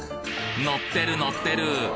載ってる載ってる！